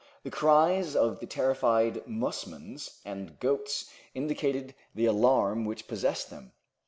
The cries of the terrified musmons and goats indicated the alarm which possessed them.